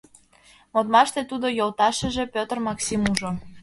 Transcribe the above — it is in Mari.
Модмаште тудо йолташыже Петр Максим ужо.